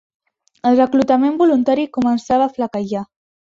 El reclutament voluntari començava a flaquejar